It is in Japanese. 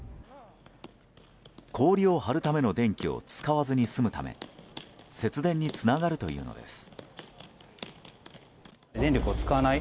氷を張るための電気を使わずに済むため節電につながるというのです。